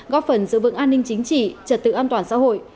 góp phần giữ vững an ninh chính trị trật tự an toàn xã hội